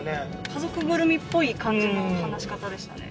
家族ぐるみっぽい感じの話し方でしたね